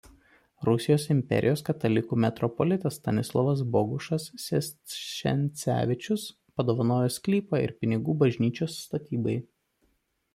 Rusijos imperijos katalikų metropolitas Stanislovas Bogušas–Sestšencevičius padovanojo sklypą ir pinigų bažnyčios statybai.